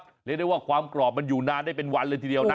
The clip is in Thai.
เรียกได้ว่าความกรอบมันอยู่นานได้เป็นวันเลยทีเดียวนะ